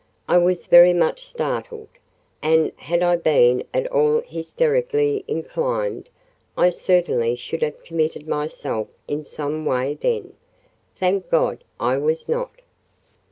I was very much startled; and had I been at all hysterically inclined, I certainly should have committed myself in some way then. Thank God, I was not.